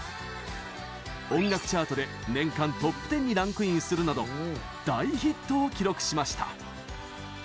音楽チャートで年間トップ１０にランクインするなど大ヒットを記録しました。